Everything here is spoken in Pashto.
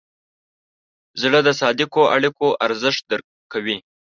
زړه د صادقو اړیکو ارزښت درک کوي.